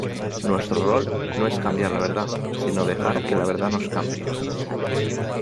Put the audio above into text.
Nuestro rol no es cambiar la verdad, sino dejar que la verdad nos cambie.